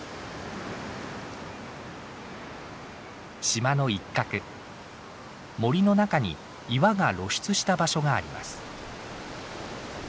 島の一角森の中に岩が露出した場所があります。